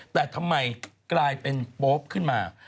แต่ทำไมกลายเป็นโป๊ปขึ้นมา